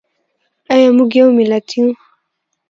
ایا موږ یو ملت یو؟